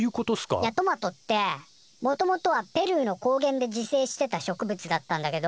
いやトマトってもともとはペルーの高原で自生してた植物だったんだけど。